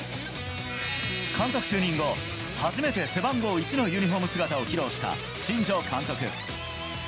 監督就任後、初めて背番号１のユニホーム姿を披露した新庄監督。